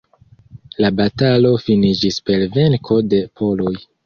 La batalo finiĝis per venko de poloj.